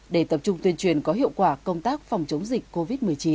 để tập trung tuyên truyền có hiệu quả công tác phòng chống dịch covid một mươi chín